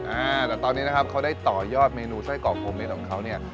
อ่าแต่ตอนนี้นะครับเขาได้ต่อยอดเมนูไส้กรอกโกเม็ดของเขาเนี่ย